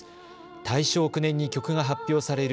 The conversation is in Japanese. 大正９年に曲が発表される